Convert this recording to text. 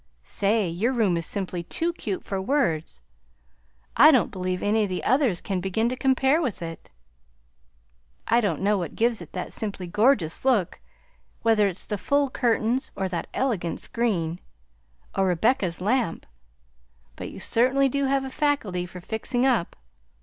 Say, your room is simply too cute for words! I don't believe any of the others can begin to compare with it! I don't know what gives it that simply gorgeous look, whether it's the full curtains, or that elegant screen, or Rebecca's lamp; but you certainly do have a faculty for fixing up.